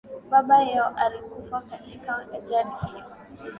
baba yao alikufa katika ajali hiyo